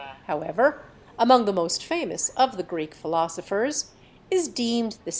however, among the most famous of the Greek philosophers, is deemed the Fig.